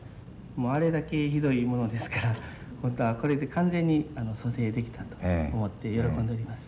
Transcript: もうあれだけひどいものですからまたこれで完全に蘇生できたと思って喜んでおります。